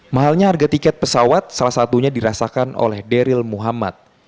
mahalnya harga tiket pesawat salah satunya dirasakan oleh daryl muhammad